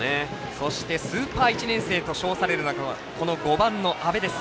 そしてスーパー１年生と称されるのがこの５番の阿部です。